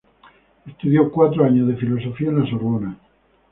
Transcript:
Estudió cuatro años de filosofía en la Sorbona.